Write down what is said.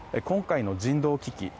今回の人道危機